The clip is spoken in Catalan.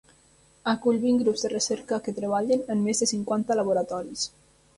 Acull vint grups de recerca que treballen en més de cinquanta laboratoris.